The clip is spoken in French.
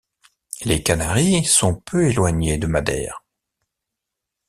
Les Canaries sont peu éloignées de Madère.